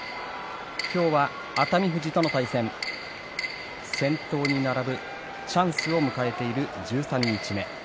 今日は熱海富士との対戦先頭に並ぶチャンスを迎えている十三日目。